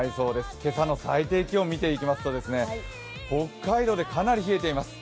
今朝の最低気温、見ていきますと北海道でかなり冷えています。